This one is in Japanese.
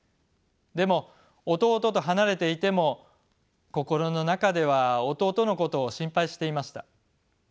でも弟と離れていても心の中では弟のことを心配していました。